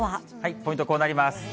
ポイント、こうなります。